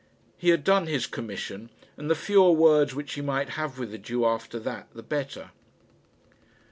He had done his commission, and the fewer words which he might have with the Jew after that the better.